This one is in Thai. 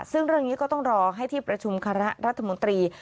ซึ่งเรื่องนี้ก็ต้องรอให้ที่ประชุมคณะรัฐมนตรี